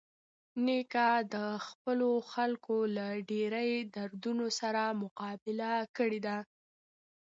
نیکه د خپلو خلکو له ډېرۍ دردونو سره مقابله کړې ده.